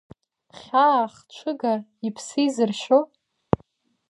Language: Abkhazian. Хьаахҽыга, иԥсы изыршьо?